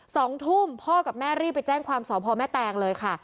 สองทุ่มพ่อกับแม่รีบไปแจ้งความสอบพ่อแม่แตงเลยค่ะ